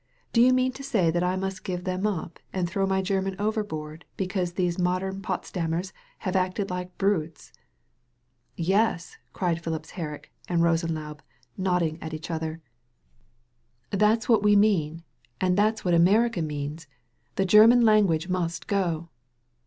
Do you mean to say that I must give them up and throw my Grerman overboard because these modem Pots dammers have acted like bmtes?" "Yes," cried Phipps Herrick and Rosenlaube, nodding at each other, "that's what we mean, and 148 THE VALLEY OF VISION that's what America means. The German language must go!"